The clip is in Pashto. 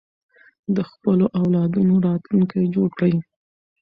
د خپلو اولادونو راتلونکی جوړ کړئ.